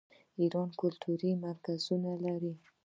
ایران کلتوري مرکزونه لري.